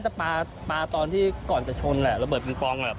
น่าจะปลาตอนที่ก่อนจะชนระเบิดเป็นปลองแล้ว